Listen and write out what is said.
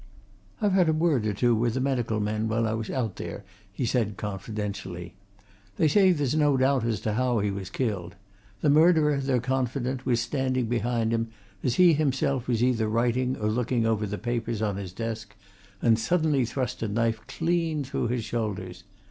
"I've had a word or two with the medical men while I was out there," he said confidentially. "They say there's no doubt as to how he was killed. The murderer, they're confident, was standing behind him as he himself was either writing or looking over the papers on his desk, and suddenly thrust a knife clean through his shoulders.